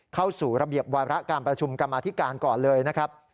เข้าสู่ระเบียบวาระการประชุมกรรมาธิการก่อนเลยนะครับ